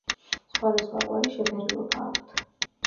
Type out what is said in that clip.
სხვადასხვაგვარი შეფერილობა აქვთ.